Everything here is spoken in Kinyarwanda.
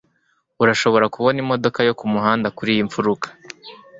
Urashobora kubona imodoka yo kumuhanda kuriyi mfuruka.